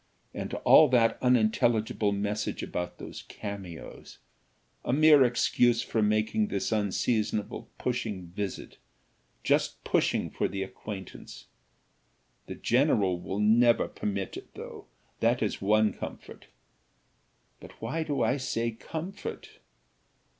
And all that unintelligible message about those cameos! a mere excuse for making this unseasonable pushing visit just pushing for the acquaintance. The general will never permit it, though that is one comfort. But why do I say comfort?"